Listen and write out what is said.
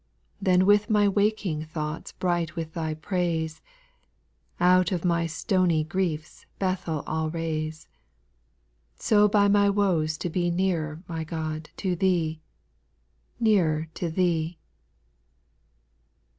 Then with my waking thoughts Bright with Thy praise, Out of my stony griefs Bethel I '11 raise ; So by my woes to be Nearer, my God, to Thee, Nearer to Thee.